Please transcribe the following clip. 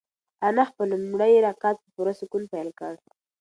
انا خپل لومړی رکعت په پوره سکون پیل کړ.